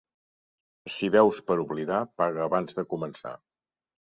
Si beus per oblidar, paga abans de començar.